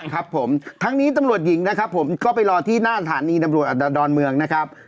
ครับผมทั้งนี้ตำรวจหญิงนะครับผมก็ไปรอที่หน้าฐานีตำรวจอดรเมืองนะครับ